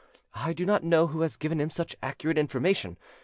I do not know who has given him such accurate information.